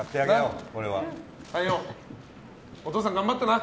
太陽、お父さん頑張ったな。